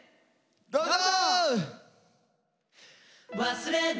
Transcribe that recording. どうぞ！